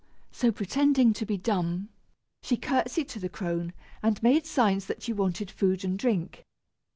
So, pretending to be dumb, she curtsied to the crone, and made signs that she wanted food and drink.